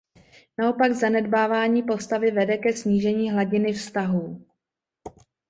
Naopak zanedbávání postavy vede ke snížení hladiny vztahů.